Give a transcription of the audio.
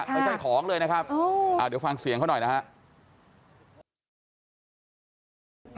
ไม่ใช่ของเลยนะครับเดี๋ยวฟังเสียงเขาหน่อยนะฮะ